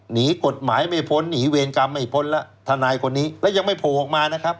หนีกฎหมายไม่พ้นหนีเวรกรรมไม่พ้นแล้วทนายคนนี้แล้วยังไม่โผล่ออกมานะครับ